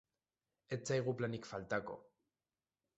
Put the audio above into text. Ez zaigu planik faltako!